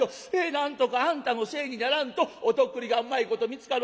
なんとかあんたのせいにならんとお徳利がうまいこと見つかる。